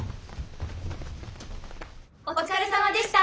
お疲れさまでした！